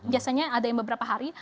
biasanya ada yang beberapa hari